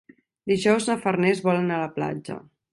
Dijous na Farners vol anar a la platja.